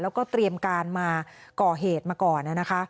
แล้วก็เตรียมการมาก่อเหตุมาก่อนนะคะ